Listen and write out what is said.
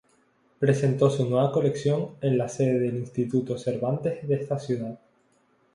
Presentó su nueva colección en la sede del Instituto Cervantes de esta ciudad.